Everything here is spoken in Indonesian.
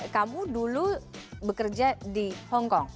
kamu dulu bekerja di hongkong